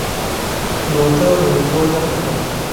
لوټه له اوبو ډکه کړه!